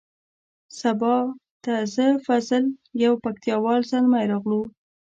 سبا ته زه فضل یو پکتیا وال زلمی راغلو.